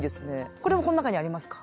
これもこの中にありますか？